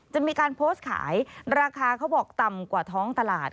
จะมีการโพสต์ขายราคาเขาบอกต่ำกว่าท้องตลาด